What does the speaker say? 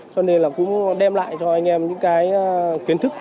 cho nên cũng đem lại cho anh em những kiến thức